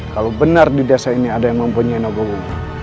kalau benar di desa ini ada yang mempunyai nogowo